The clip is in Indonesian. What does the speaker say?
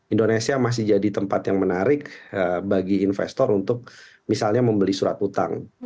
indonesia masih jadi tempat yang menarik bagi investor untuk misalnya membeli surat utang